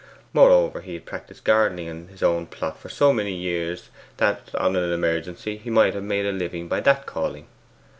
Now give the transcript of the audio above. Moreover, he had practised gardening in his own plot for so many years that, on an emergency, he might have made a living by that calling.